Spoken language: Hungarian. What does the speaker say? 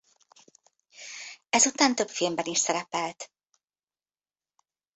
Ezután több filmben is szerepelt.